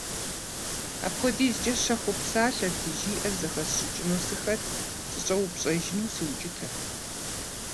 АпхуэдизкӀэ щэхуу псалъэрти, жиӏэр зэхэсщӏыкӏыну сыхэтт, сыщӀэупщӀэжыну сыукӏытэрт.